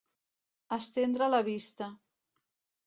Estendre la vista.